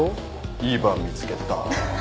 いいバー見つけた。